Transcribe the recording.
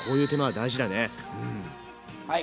はい。